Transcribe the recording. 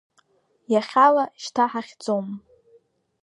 Иахьала шьҭа ҳахьӡом!